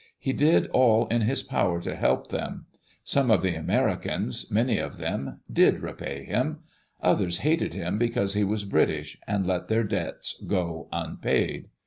He did all in his power to help them. Some of the Americans — many of them — did repay him. Others hated him because he was British, and let their debts go unpaid.